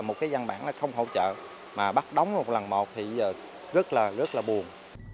một cái dân bản là không hỗ trợ mà bắt đóng một lần một thì rất là buồn